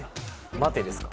「待て」ですか？